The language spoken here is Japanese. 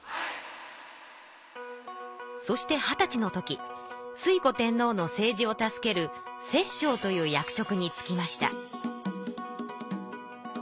そして二十歳の時推古天皇の政治を助ける摂政という役職につきました。